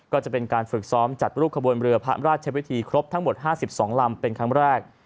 ก็จะเป็นการฝึกซ้อมจัดรูปขบวนเรือพระราชวิธีครบทั้งหมด๕๒ลำเป็นครั้งแรก